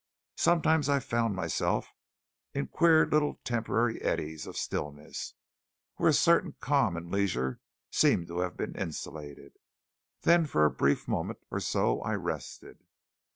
Sometimes I found myself in queer little temporary eddies of stillness, where a certain calm and leisure seemed to have been insulated. Then for a brief moment or so I rested.